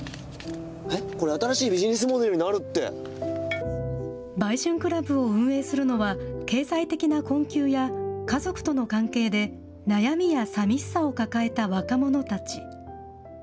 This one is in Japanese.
えっ、これ、新しいビジネスモデ売春クラブを運営するのは、経済的な困窮や家族との関係で悩みやさみしさを抱えた若者たち。